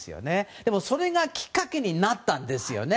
でも、それがきっかけになったんですよね。